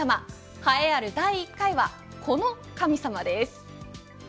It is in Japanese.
栄えある第１回はこの神様です。